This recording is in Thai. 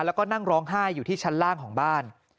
แล้วก็นั่งร้องไห้อยู่ที่ชั้นล่างของบ้าน